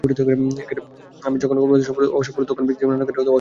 আমি যখন কর্মক্ষেত্রে অসফল হব, তখন ব্যক্তিজীবনের নানা ক্ষেত্রেও নানাভাবে অসফল হব।